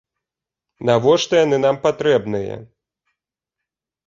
Навошта яны нам патрэбныя?